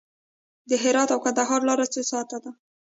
د هرات او کندهار لاره څو ساعته ده؟